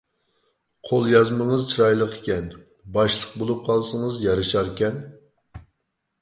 قول يازمىڭىز چىرايلىقكەن، باشلىق بولۇپ قالسىڭىز يارىشاركەن.